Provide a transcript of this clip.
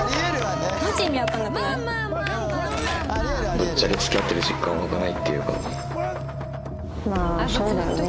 ぶっちゃけ付き合ってる実感湧かないっていうか。